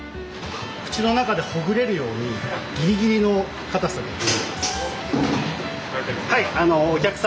口の中でほぐれるようにギリギリのかたさで握ってます。